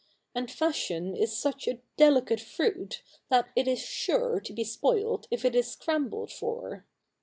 And fashion is such a delicate fruit, that it is sure to be spoilt if it is scrambled for.'